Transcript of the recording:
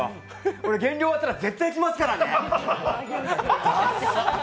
俺、減量終わったら絶対行きますからね。